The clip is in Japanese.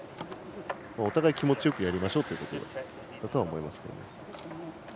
お互い気持ちよくやりましょうということだと思います。